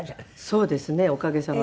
そうですねおかげさまで。